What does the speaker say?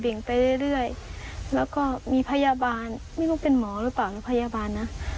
แล้วมีพยาบาล